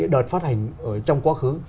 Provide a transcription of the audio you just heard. đợt phát hành trong quá khứ